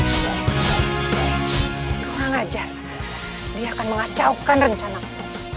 tuhan mengajar dia akan mengacaukan rencana kita